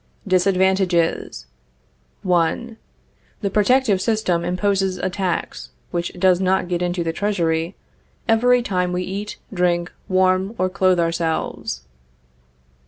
Disadvantages. | Advantages. | 1. The protective system imposes a tax (which does | not get into the Treasury) every time we eat, drink, | warm, or clothe ourselves.